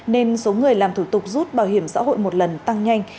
nên số người làm thủ tục rút bảo hiểm xã hội một lần tăng nhanh